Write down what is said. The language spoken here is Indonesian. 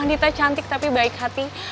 anita cantik tapi baik hati